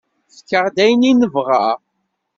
Efk-aɣ ayen nebɣa.